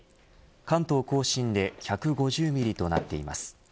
関東甲信で１５０ミリとなっています。